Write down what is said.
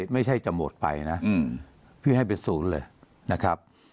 ไม่ใช่จะหมดไปนะพี่ให้เป็นศูนย์เลยนะครับ